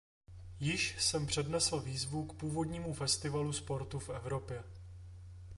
Již jsem přednesl výzvu k původnímu festivalu sportu v Evropě.